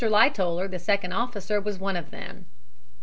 Lightoller, the second officer, was one of them.